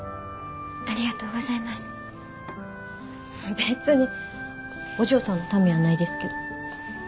別にお嬢さんのためやないですけど。